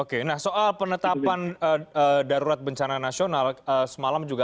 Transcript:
oke nah soal penetapan darurat bencana nasional semalam juga